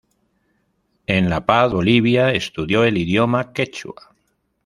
En La Paz, Bolivia, estudio el idioma quechua.